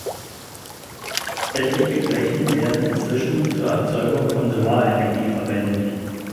Etliche Flächen werden inzwischen zur Erzeugung von Solarenergie verwendet.